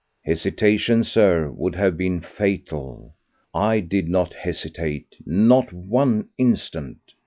Hesitation, Sir, would have been fatal. I did not hesitate; not one instant.